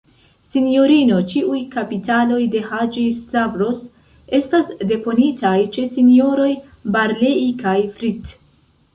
Sinjorino, ĉiuj kapitaloj de Haĝi-Stavros estas deponitaj ĉe S-roj Barlei kaj Fritt.